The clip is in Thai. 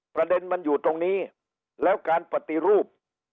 ประเด็นมันอยู่ตรงนี้แล้วการปฏิรูป